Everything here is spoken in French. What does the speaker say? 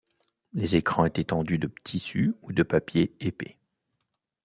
Les écrans étaient tendus de tissu ou de papier épais.